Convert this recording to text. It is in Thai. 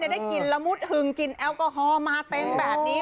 ได้กลิ่นละมุดหึงกลิ่นแอลกอฮอล์มาเต็มแบบนี้